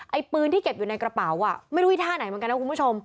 ปืนที่เก็บอยู่ในกระเป๋าไม่รู้อีกท่าไหนเหมือนกันนะคุณผู้ชม